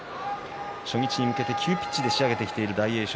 初日に向けて急ピッチで仕上げてきた大栄翔